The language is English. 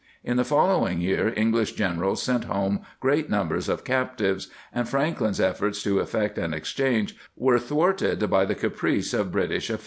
In the following year Eng lish generals sent home great numbers of cap tives ; and Franklin's efforts to effect an exchange • were thwarted by the caprice of British officials.